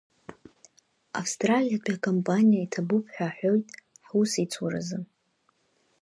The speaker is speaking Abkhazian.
Австралиатәи акомпаниа иҭабуп ҳәа аҳҳәоит ҳусеицуразы.